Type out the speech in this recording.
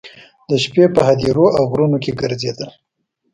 د شپې په هدیرو او غرونو کې ګرځېدل.